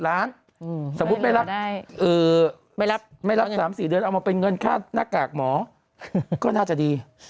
สมมุติไม่รับไม่รับ๓๔เดือนเอามาเป็นเงินค่าหน้ากากหมอก็น่าจะดี